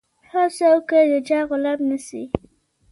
هڅه وکړه د چا غلام نه سي.